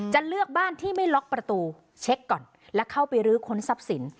จะเลือกบ้านที่ไม่ล็อกประตูเช็คก่อนและเข้าไปรื้อค้นทรัพย์สิน